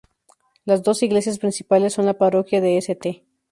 Las dos iglesias principales son la parroquia de St.